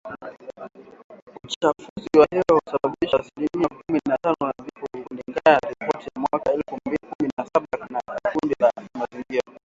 Uchafuzi wa hewa husababisha asilimia kumi na tano ya vifo kulingana na ripoti ya mwaka elfu mbili kumi na saba ya kundi la kimazingira